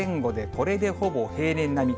これでほぼ平年並み。